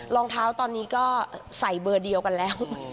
รองเท้าตอนนี้ก็ใส่เบอร์เดียวกันแล้ว